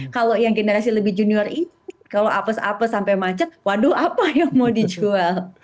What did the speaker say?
kalau yang generasi lebih junior ini kalau apes apes sampai macet waduh apa yang mau dijual